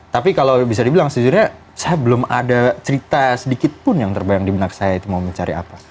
tapi kalau bisa dibilang sejujurnya saya belum ada cerita sedikit pun yang terbayang di benak saya itu mau mencari apa